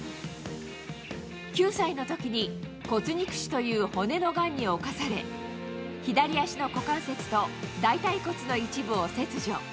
９歳のときに骨肉腫という骨のがんに侵され、左足の股関節と大たい骨の一部を切除。